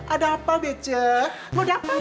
ada apa bece mau diapain